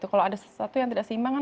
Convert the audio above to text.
kalau ada sesuatu yang tidak seimbang kan